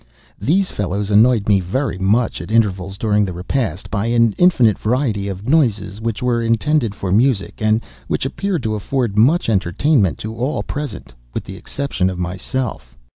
These fellows annoyed me very much, at intervals, during the repast, by an infinite variety of noises, which were intended for music, and which appeared to afford much entertainment to all present, with the exception of myself.